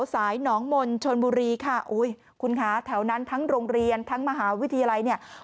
ฝ่าสายหน้องมนธนบูรีค่ะคุณคะแถวนั้นทั้งโรงเรียนทั้งมหาวิทยาลัย